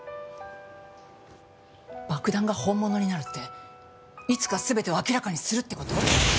「爆弾が本物になる」っていつか全てを明らかにするって事？